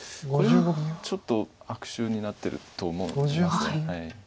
これもちょっと悪手になってると思います。